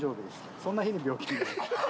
そんな日に病気に。